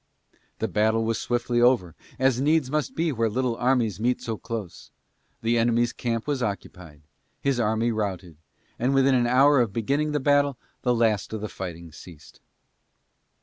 The battle was swiftly over, as must needs be where little armies meet so close. The enemy's camp was occupied, his army routed, and within an hour of beginning the battle the last of the fighting ceased.